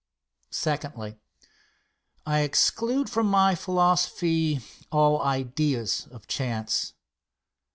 Secondly. I exclude from my philosophy all ideas of chance.